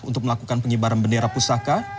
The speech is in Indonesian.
untuk melakukan pengibaran bendera pusaka